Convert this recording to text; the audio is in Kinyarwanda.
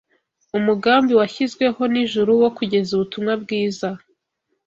Umugambi washyizweho n’ijuru wo kugeza ubutumwa bwiza